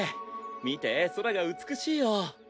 見て空が美しいよ。